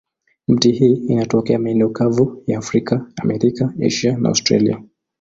Miti hii inatokea maeneo kavu ya Afrika, Amerika, Asia na Australia.